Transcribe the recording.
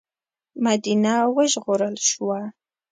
مدینه وژغورل شوه.